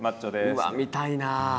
うわっ見たいなあ。